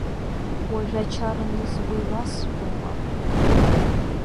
Уажәы ачара анызуа иласҳәома?